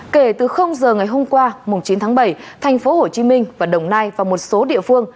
kể từ giờ ngày hôm qua chín tháng bảy thành phố hồ chí minh và đồng nai và một số địa phương